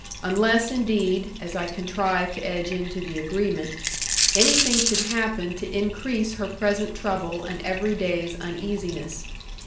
Unless indeed (as I contrived to edge into the agreement) anything should happen to increase her present trouble and every day's uneasiness.